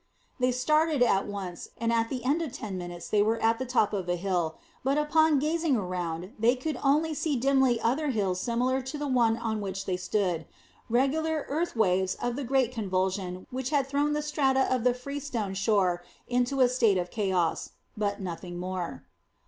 They started at once, and at the end of ten minutes they were at the top of a hill, but upon gazing round they could only dimly see other hills similar to the one on which they stood, regular earth waves of the great convulsion which had thrown the strata of the Freestone Shore into a state of chaos, but nothing more.